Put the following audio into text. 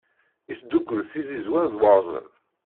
Isdukkul tizizwa d warẓen.